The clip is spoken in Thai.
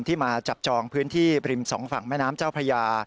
มาจับจองพื้นที่ริมสองฝั่งแม่น้ำเจ้าพระยา